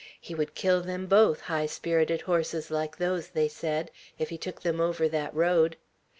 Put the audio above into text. He would kill them both, high spirited horses like those, they said, if he took them over that road.